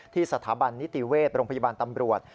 สถาบันนิติเวชโรงพยาบาลตำรวจ